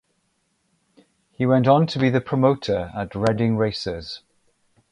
He went on to be the promoter at Reading Racers.